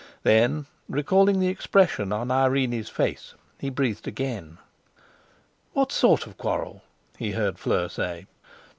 Then, recollecting the expression on Irene's face, he breathed again. "What sort of a quarrel?" he heard Fleur say.